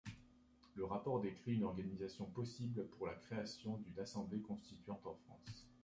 Le rapport décrit une organisation possible pour la création d'une assemblée constituante en France.